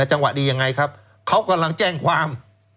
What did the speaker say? จังหวะดียังไงครับเขากำลังแจ้งความ